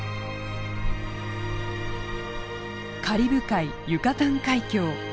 カリブ海ユカタン海峡。